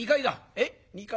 「えっ二階？